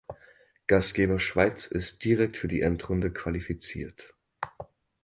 Gastgeber Schweiz ist direkt für die Endrunde qualifiziert.